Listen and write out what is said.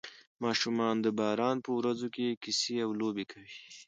ماشومان د باران په ورځو کې کیسې او لوبې کوي.